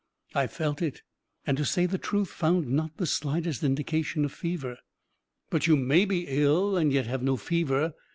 I felt it, and to say the truth, found not the slightest indication of fever. "But you may be ill and yet have no fever.